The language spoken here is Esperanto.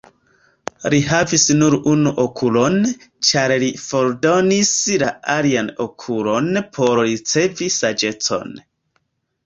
Li havis nur unu okulon, ĉar li fordonis la alian okulon por ricevi saĝecon.